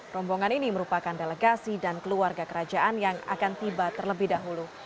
rombongan ini merupakan delegasi dan keluarga kerajaan yang akan tiba terlebih dahulu